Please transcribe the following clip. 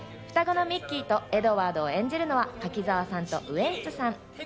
双子のミッキーとエドワードを演じるのは柿澤さんとウエンツさん。